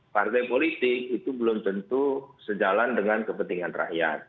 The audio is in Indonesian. partai politik itu belum tentu sejalan dengan kepentingan rakyat